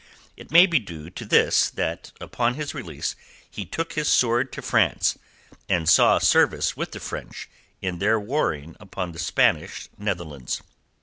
It may be due to this that upon his release he took his sword to France, and saw service with the French in their warring upon the Spanish Netherlands.